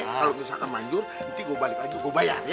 kalau misalkan manjur nanti gue balik lagi gue bayar